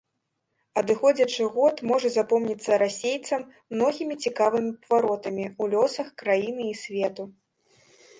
Адыходзячы год можа запомніцца расейцам многімі цікавымі паваротамі ў лёсах краіны і свету.